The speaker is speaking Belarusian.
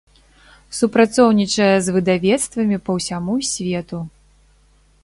Супрацоўнічае з выдавецтвамі па ўсяму свету.